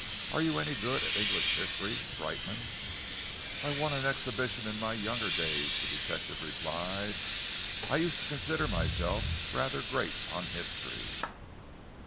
"Are you any good at English history, Brightman?" "I won an exhibition in my younger days," the detective replied. "I used to consider myself rather great on history."